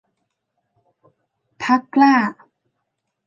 พรรคกล้า